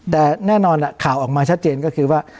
แต่แน่นอนข่าวออกมาชัดเจนก็คือว่า